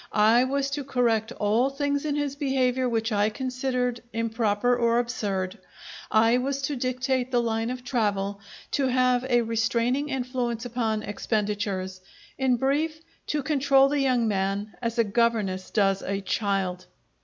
I was to correct all things in his behaviour which I considered improper or absurd. I was to dictate the line of travel, to have a restraining influence upon expenditures; in brief, to control the young man as a governess does a child.